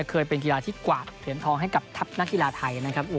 เคยเป็นกีฬาที่กวาดเหรียญทองให้กับทัพนักกีฬาไทยนะครับ